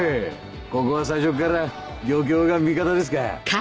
ここは最初から漁協が味方ですか。